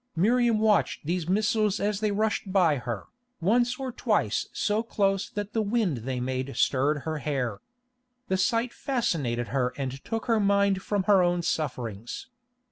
Miriam watched these missiles as they rushed by her, once or twice so close that the wind they made stirred her hair. The sight fascinated her and took her mind from her own sufferings.